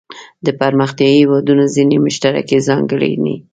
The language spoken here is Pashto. د پرمختیايي هیوادونو ځینې مشترکې ځانګړنې.